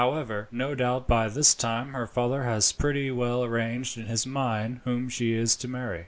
However, no doubt by this time her father has pretty well arranged in his mind whom she is to marry."